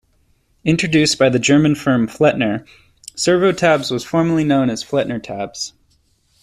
Introduced by the German firm Flettner, servo tabs were formerly known as Flettner tabs.